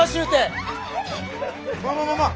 ままままあ